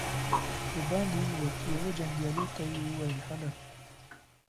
د باندې ووت، يوه جنګيالي ته يې وويل: هله!